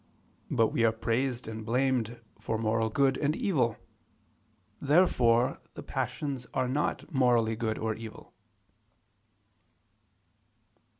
But we are praised and blamed for moral good and evil. Therefore the passions are not morally good or evil.